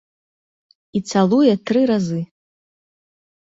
І цалуе тры разы.